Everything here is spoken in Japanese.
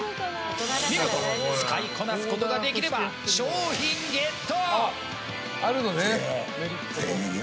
見事、使いこなすことができれば商品ゲット。